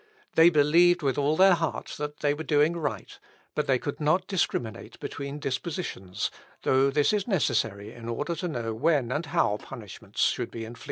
They believed with all their heart they were doing right, but they could not discriminate between dispositions, though this is necessary in order to know when and how punishments should be inflicted."